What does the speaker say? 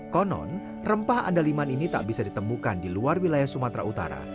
konon rempah andaliman ini tak bisa ditemukan di luar wilayah sumatera utara